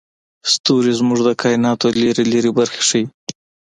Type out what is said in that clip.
ستوري زموږ د کایناتو لرې لرې برخې ښيي.